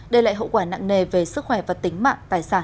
đây lại hậu quả nặng nề về sức khỏe và tính mạng tài sản